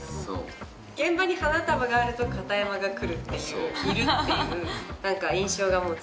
現場に花束があると片山が来るっていういるっていう印象がもうつき始めました。